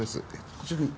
こちらに。